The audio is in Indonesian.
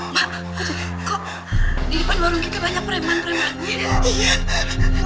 mak kok di depan warung kita banyak perempuan perempuan